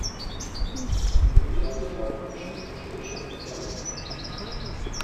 Huy yazi na ort̆u şeni çoişa igzaley dort̆u.